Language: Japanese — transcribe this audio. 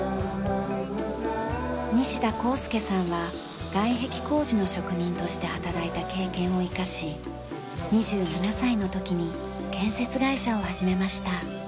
西田功介さんは外壁工事の職人として働いた経験を生かし２７歳の時に建設会社を始めました。